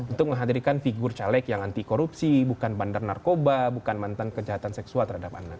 untuk menghadirkan figur caleg yang anti korupsi bukan bandar narkoba bukan mantan kejahatan seksual terhadap anak